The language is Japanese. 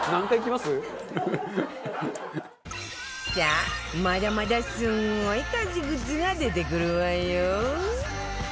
さあまだまだすごい家事グッズが出てくるわよ